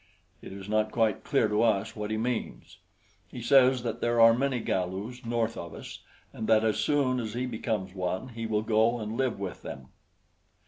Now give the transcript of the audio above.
It is not quite clear to us what he means. He says that there are many Galus north of us, and that as soon as he becomes one he will go and live with them.